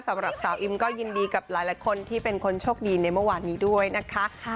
สำหรับสาวอิมก็ยินดีกับหลายคนที่เป็นคนโชคดีในเมื่อวานนี้ด้วยนะคะ